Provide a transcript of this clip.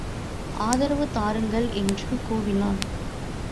ஆதரவு தாருங்கள்! என்று கூவினான்.